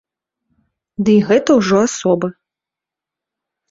Дый гэта ўжо асобы.